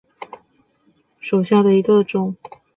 闭花木为大戟科闭花木属下的一个种。